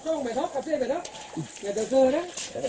เหลืองเท้าอย่างนั้น